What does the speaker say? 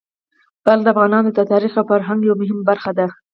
بلخ د افغانانو د تاریخ او فرهنګ یوه مهمه برخه ده.